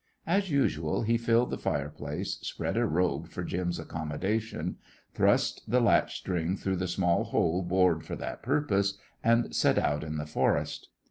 As usual, he filled the fireplace, spread a robe for Jim's accommodation, thrust the latch string through the small hole bored for that purpose, and set out in the forest.